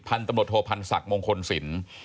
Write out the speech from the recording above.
พันธุ์ศักดิ์โทพันธุ์ศักดิ์มงคลศิลป์